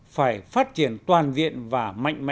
phải phát triển toàn diện và mạnh mẽ